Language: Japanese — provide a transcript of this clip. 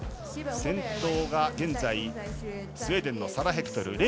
先頭は現在スウェーデンのサラ・ヘクトル。